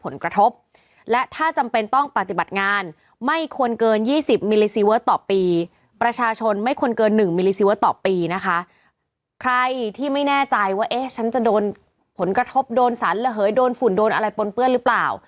แน่ใจว่าเอ๊ะฉันจะโดนผลกระทบโดนสันโดนฝุ่นโดนอะไรปนเปื้อนหรือเปล่า